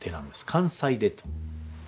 関西手と。